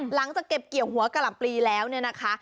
หลังจากเก็บเกี่ยวหัวกะหล่ำปลีแล้วเนี่ยนะคะ